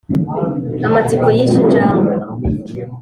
amatsiko yishe injangwe